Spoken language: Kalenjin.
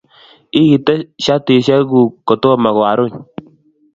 iite shatisheguuk kotomo koaruny